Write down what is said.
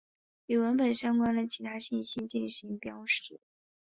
与文本相关的其他信息进行标识。